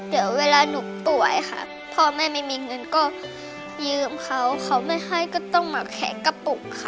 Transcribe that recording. เดี๋ยวเวลาหนูป่วยค่ะพ่อแม่ไม่มีเงินก็ยืมเขาเขาไม่ให้ก็ต้องมาแขกกระปุกค่ะ